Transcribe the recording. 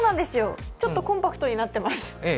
ちょっとコンパクトになってます。